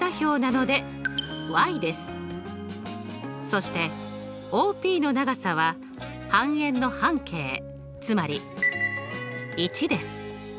そしてＯＰの長さは半円の半径つまり１です。